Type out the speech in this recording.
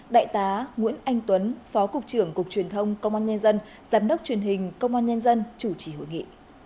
đại tá nguyễn anh tuấn phó cục trưởng cục truyền thông công an nhân dân giám đốc truyền hình công an nhân dân chủ trì hội nghị